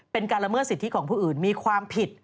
เป็นการละเมิดสิทธิของผู้อื่นมีความผิด